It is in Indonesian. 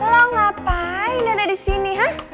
lo ngapain ada disini